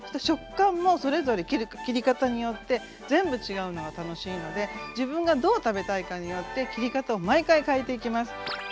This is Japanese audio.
食感もそれぞれ切り方によって全部違うのが楽しいので自分がどう食べたいかによって切り方を毎回変えていきます。